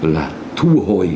là thu hồi